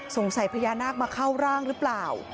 พญานาคมาเข้าร่างหรือเปล่า